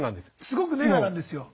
すごくネガなんですよ。